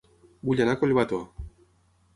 Vull anar a Collbató